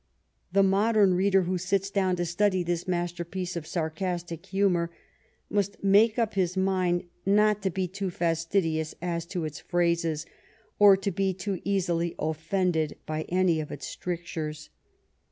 The modem reader who sits down to study this master piece of sarcastic humor must make up his mind not to be too fastidious as to its phrases, or to be too easily offended by any of its strictures.